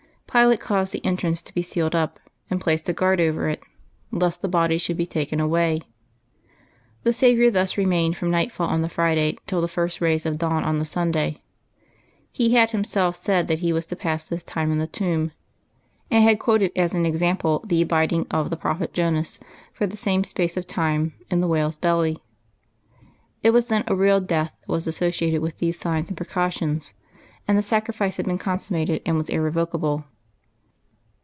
Pilate caused the entrance to be sealed up, and placed a guard over it, lest the body should be taken awa3^ The Saviour thus remained from nightfall on the Friday till the first rays of dawn on the Sunday. He had Himself said that He was to pass this time in the tomb, and had quoted as an example the abiding of the prophet Jonas for the same space of time in the whale's belly. It was then a real death that was associated with these signs and precautions, and the sacrifice had been consummated and was irrevocable.